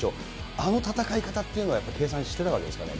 あの戦い方っていうのはやっぱり計算してたわけですかね。